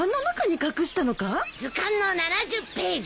図鑑の７０ページ。